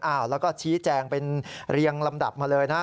แล้วก็ชี้แจงเป็นเรียงลำดับมาเลยนะฮะ